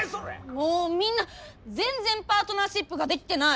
もうみんな全然パートナーシップができてない！